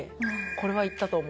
これはいったと思う。